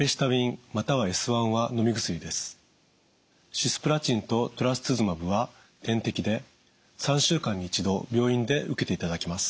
シスプラチンとトラスツズマブは点滴で３週間に１度病院で受けていただきます。